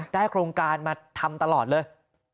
โครงการมาทำตลอดเลย